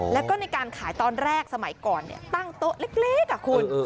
แล้วก็ในการขายตอนแรกสมัยก่อนตั้งโต๊ะเล็กคุณ